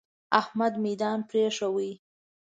احمد ميدان پرېښود.